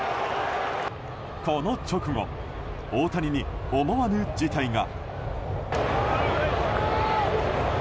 この直後、大谷に思わぬ事態が。